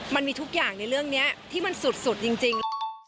มันมีทุกอย่างในเรื่องนี้ที่มันสุดจริง